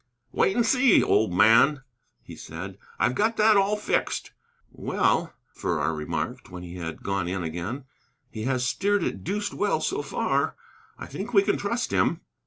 "Wait and see, old man," he said; "I've got that all fixed." "Well," Farrar remarked, when he had gone in again, "he has steered it deuced well so far. I think we can trust him."